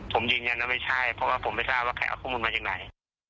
ผมยืนยันนะไม่ใช่เพราะว่าผมไม่ทราบว่าใครเอาข้อมูลมาจากไหน